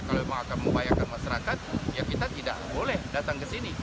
kalau memang akan membahayakan masyarakat ya kita tidak boleh datang ke sini